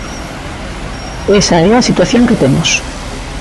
Esa é a situación que temos.